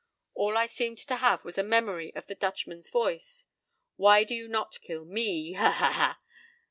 All I seemed to have was a memory of the Dutchman's voice: "Why do you not kill me? Ha ha ha!